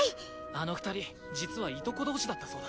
あの二人実はいとこ同士だったそうだ。